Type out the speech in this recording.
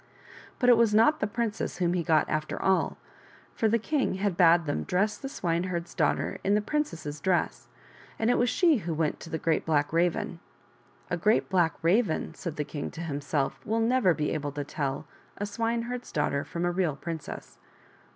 But it was not the princess whom he got after all; for the king had bade them dress the swineherd's daughter in the princess's dress, and it was she who went to the Great Black Raven. " A Great Black Raven," said the king to himself, " will never be able to tell a swineherd's daughter from a real princess."